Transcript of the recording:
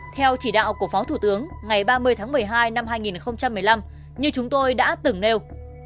theo chỉ đạo của phó thủ tướng ngày ba mươi tháng một mươi hai năm hai nghìn một mươi năm như chúng tôi đã từng nêu